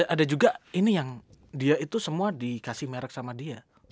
ada juga ini yang dia itu semua dikasih merek sama dia